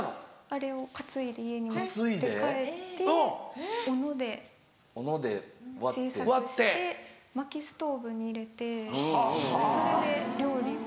あれを担いで家に持って帰ってオノで小さくして薪ストーブに入れてそれで料理を。